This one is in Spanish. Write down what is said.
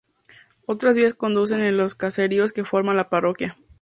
Otras vías conducen a los caseríos que forman la parroquia.